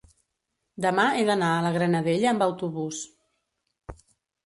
demà he d'anar a la Granadella amb autobús.